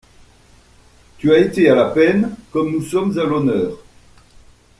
Tu as été à la peine, comme nous sommes à l'honneur.